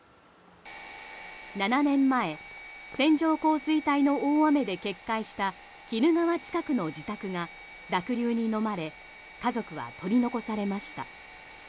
７年前、線状降水帯の大雨で決壊した鬼怒川近くの自宅が濁流にのまれ家族は取り残されました。